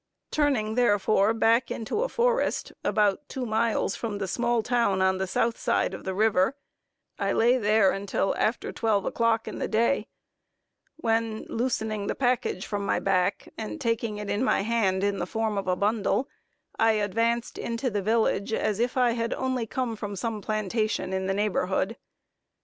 Turning, therefore, back into a forest, about two miles from the small town on the south side of the river, I lay there until after twelve o'clock in the day, when loosening the package from my back, and taking it in my hand in the form of a bundle, I advanced into the village, as if I had only come from some plantation in the neighborhood.